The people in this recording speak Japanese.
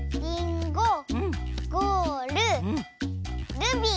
ルビー。